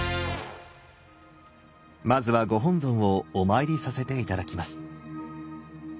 まずはご本尊をお参りさせて頂きます。